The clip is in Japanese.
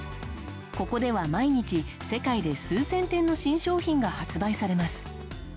ここでは毎日、世界で数千点の新商品が発売されます。